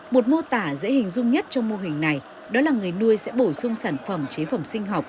một mô tả dễ hình dung nhất trong mô hình này đó là người nuôi sẽ bổ sung sản phẩm chế phẩm sinh học